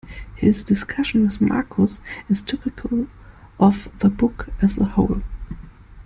His discussion with Marcus is typical of the book as a whole.